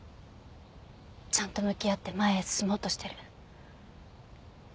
ちゃんと向き合って前へ進もうとしてる。